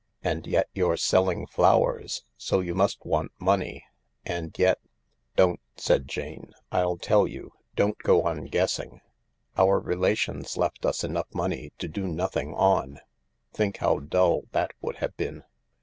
And yet you're selling flowers, so you must want money. And yet .." Don't," said Jane, " I'll tell you. Don't go on guessing. Our relations left us enough money to do nothing on— think how dull that would have been